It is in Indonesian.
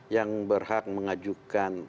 yang berhak mengajukan